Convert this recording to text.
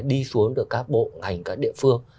đi xuống được các bộ ngành các địa phương